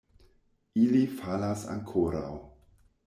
Ili falas ankoraŭ!